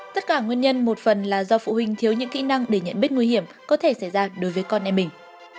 tất cả nguyên nhân một phần là do phụ huynh thiếu những kỹ năng để nhận biết nguy hiểm có thể xảy ra đối với con em mình